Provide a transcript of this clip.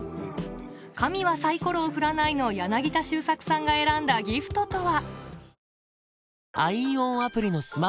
「神はサイコロを振らない」の柳田周作さんが選んだギフトとは？